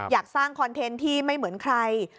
อยากสร้างคอนเทนต์ที่ไม่เหมือนใคร